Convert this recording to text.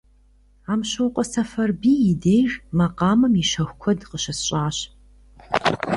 Амщокъуэ Сэфарбий и деж макъамэм и щэху куэд къыщысщӀащ.